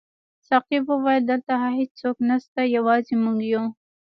ساقي وویل: دلته هیڅوک نشته، یوازې موږ یو.